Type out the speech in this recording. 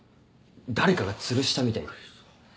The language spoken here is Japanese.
誰かがつるしたみたいで。